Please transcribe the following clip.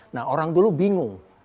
nah orang dulu bingung